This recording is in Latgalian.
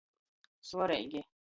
Svoreigi.